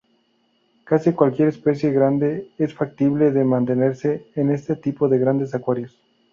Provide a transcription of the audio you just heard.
Casi cualquier especie grande es factible de mantenerse en este tipo de grandes acuarios.